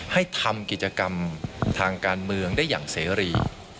ให้ทำกิจกรรมทางการเมืองได้อย่างเสรี